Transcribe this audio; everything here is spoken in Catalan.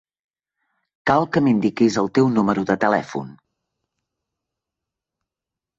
Cal que m'indiquis el teu numero de telèfon.